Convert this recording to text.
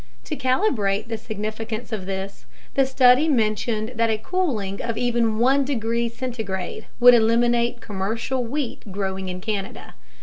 To calibrate the significance of this, the study mentioned that a cooling of even 1 degree centigrade would eliminate commercial wheat growing in Canada.